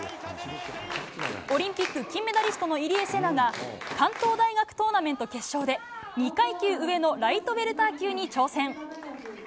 オリンピック金メダリストの入江聖奈が、関東大学トーナメント決勝で、２階級上のライトウエルター級に挑戦。